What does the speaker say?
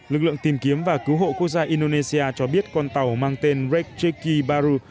lực lượng tìm kiếm và cứu hộ quốc gia indonesia cho biết con tàu mang tên rekcheki baru